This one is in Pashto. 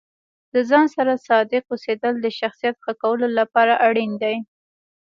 د ځان سره صادق اوسیدل د شخصیت ښه کولو لپاره اړین دي.